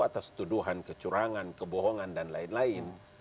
atas tuduhan kecurangan kebohongan dan lain lain